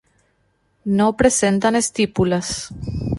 No presentan estípulas.